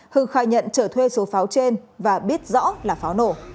hưng khai nhận trở thuê số pháo trên và biết rõ là pháo nổ